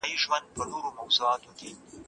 موږ باید د زکات په اهمیت پوه سو.